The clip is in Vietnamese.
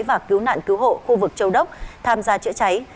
và cứu nạn cứu hộ khu vực châu đốc tham gia chữa cháy